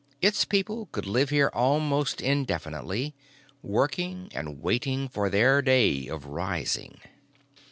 Its people could live here almost indefinitely, working and waiting for their day of rising.